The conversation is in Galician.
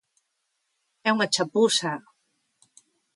É unha chapuza.